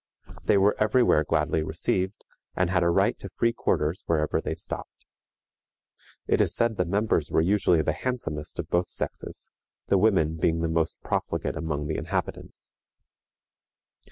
They were every where gladly received, and had a right to free quarters wherever they stopped. It is said the members were usually the handsomest of both sexes, the women being the most profligate among the inhabitants.